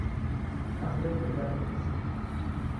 Nakunde kudeka vindo visingie